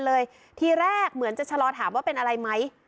ทีแรกเหมือนจะชะลอถามว่าเป็นอะไรไหม